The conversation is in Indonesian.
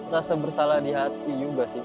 rasa bersalah di hati juga sih